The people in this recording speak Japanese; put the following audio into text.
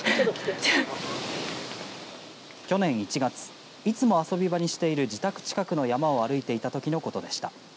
去年１月いつも遊び場にしている自宅近くの山を歩いていたときのことでした。